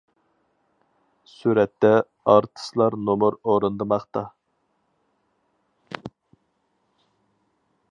سۈرەتتە: ئارتىسلار نومۇر ئورۇندىماقتا.